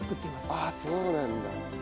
ああそうなんだ。